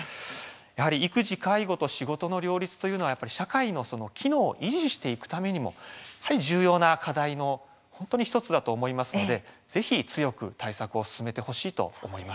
やはり育児、介護と仕事の両立というのは社会の機能を維持していくためにもやはり重要な課題の１つだと思いますのでぜひ強く対策を進めてほしいと思います。